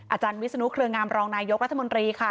อาจารย์วิศนุเครืองามรองนายกรัฐมนตรีค่ะ